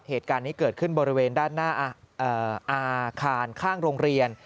เหตุการณ์นี้เกิดขึ้นบริเวณด้านหน้าอาคารข้างโรงเรียน